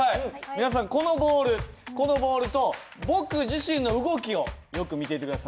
皆さんこのボールこのボールと僕自身の動きをよく見ていて下さい。